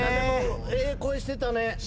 ええ声してたね。